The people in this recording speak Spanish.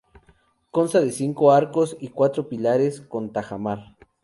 Consta de cinco arcos y cuatro pilares con tajamar.